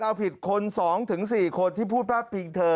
เอาผิดคน๒๔คนที่พูดพลาดพิงเธอ